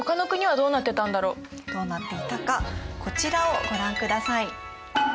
どうなっていたかこちらをご覧ください。